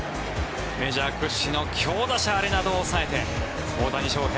メジャー屈指の強打者アレナドを抑えて大谷翔平